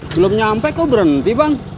belum nyampe kok udah nanti bang